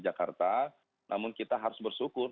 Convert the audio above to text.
jakarta namun kita harus bersyukur